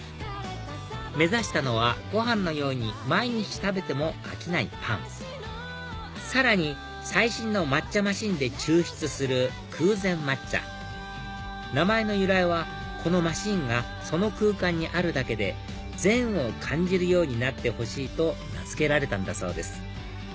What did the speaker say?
目指したのはご飯のように毎日食べても飽きないパンさらに最新の抹茶マシンで抽出する空禅抹茶名前の由来はこのマシンがその空間にあるだけで禅を感じるようになってほしいと名付けられたんだそうです